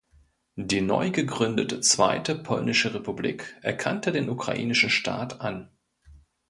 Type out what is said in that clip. Die neu gegründete Zweite Polnische Republik erkannte den Ukrainischen Staat an.